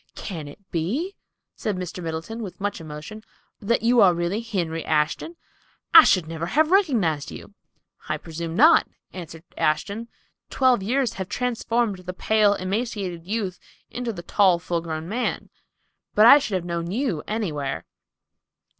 "Can it be," said Mr. Middleton, with much emotion, "that you really are Henry Ashton? I should never have recognized you." "I presume not," answered Ashton. "Twelve years have transformed the pale, emaciated youth into the tall, full grown man. But I should have known you anywhere."